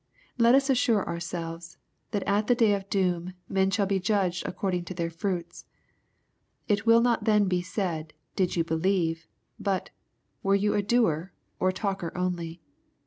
Let us assure ourselves, that at the day of doom men shall be judged according to their fruits. It will not then be said, Did you believe ? but, Were you a doer, or talker only?